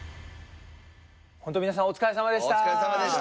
本当皆さんお疲れさまでした。